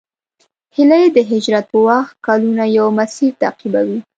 هیلۍ د هجرت په وخت کلونه یو مسیر تعقیبوي